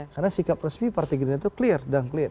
karena sikap resmi partai gerindra itu clear dan clear